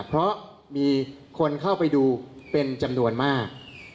เพราะมีคนเข้าไปดูเป็นจำนวนมาก